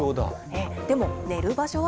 でも、寝る場所は？